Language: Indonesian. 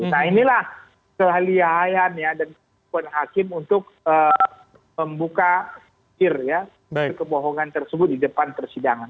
nah inilah keahliahayaan ya dan kebohongan hakim untuk membuka kir ya kebohongan tersebut di depan persidangan